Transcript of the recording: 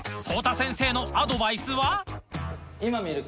ＳＯＴＡ先生のアドバイスは？